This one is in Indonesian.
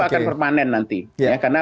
itu akan permanen nanti ya karena